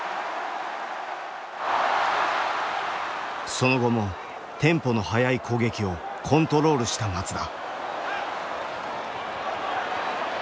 その後もテンポの速い攻撃をコントロールした松田。